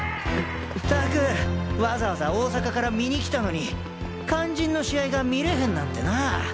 ったくわざわざ大阪から見に来たのに肝心の試合が見れへんなんてなあ。